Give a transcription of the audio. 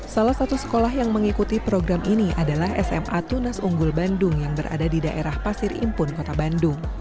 salah satu sekolah yang mengikuti program ini adalah sma tunas unggul bandung yang berada di daerah pasir impun kota bandung